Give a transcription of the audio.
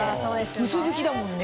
薄づきだもんね。